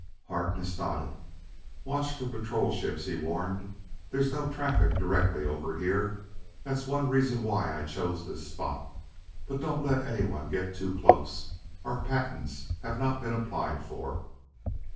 Harkness nodded. "Watch for patrol ships," he warned. "There's no traffic directly over here that's one reason why I chose this spot but don't let anyone get too close. Our patents have not been applied for."